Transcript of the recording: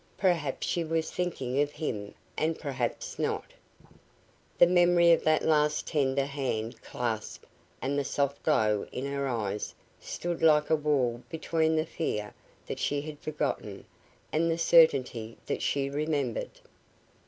Perhaps she was thinking of him and perhaps not. The memory of that last tender hand clasp and the soft glow in her eyes stood like a wall between the fear that she had forgotten and the certainty that she remembered.